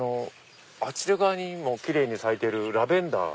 あちら側にもキレイに咲いてるラベンダー。